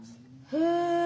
へえ。